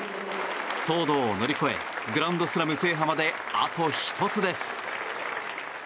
騒動を乗り越えグランドスラム制覇まであと１つです。